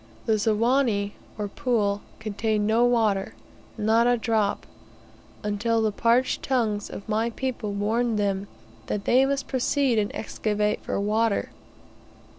The Ziwani, or pool, contained no water, not a drop, until the parched tongues of my people warned them that they must proceed and excavate for water.